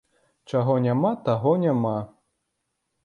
Чаго няма, таго няма.